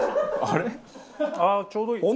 ああちょうどいい。